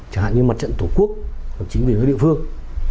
chẳng hạn như mặt trận tổ quốc hoặc chính quyền các địa phương